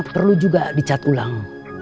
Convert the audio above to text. perlu juga dicat ulang